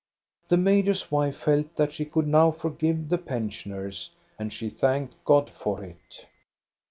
The major's wife felt that she could now forgive the pensioners, and she thanked God for it.